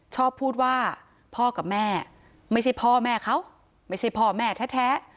ชอบพูดว่าพ่อกับแม่ไม่ใช่พ่อแม่เขาไม่ใช่พ่อแม่แท้